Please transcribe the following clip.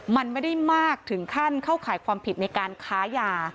มันไม่ได้มากถึงขั้นเข้าข่ายความผิดในการค้ายา